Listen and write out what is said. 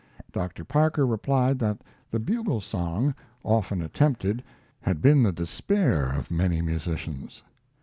Dr. Parker replied that the "Bugle Song," often attempted, had been the despair of many musicians.